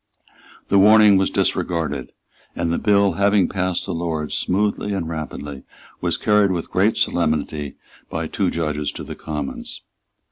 The warning was disregarded; and the bill, having passed the Lords smoothly and rapidly, was carried with great solemnity by two judges to the Commons.